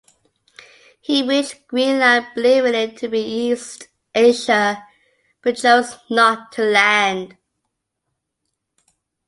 He reached Greenland, believing it to be east Asia, but chose not to land.